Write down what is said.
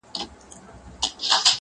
وينه د وجود مي ده ژوندی يم پرې.